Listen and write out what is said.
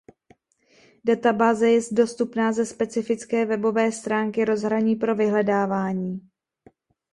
Databáze je dostupná ze specifické webové stránky rozhraní pro vyhledávání.